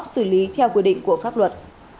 xử lý theo quy định của pháp luật